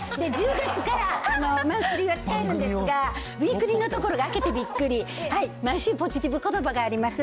１０月からマンスリーが使えるんですが、ウイークリーの所開けてびっくり、毎週、ポジティブことばがあります。